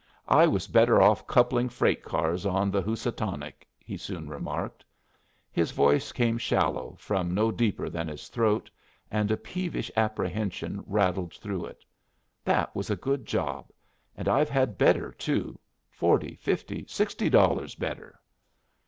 "I was better off coupling freight cars on the Housatonic," he soon remarked. His voice came shallow, from no deeper than his throat, and a peevish apprehension rattled through it. "That was a good job. And I've had better, too; forty, fifty, sixty dollars better."